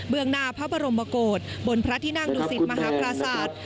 เมืองหน้าพระบรมโกศบนพระที่นั่งดุสิตมหาปราศาสตร์